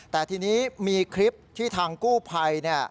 แต่ทีนี้มีคลิปที่ทางกู้ภัย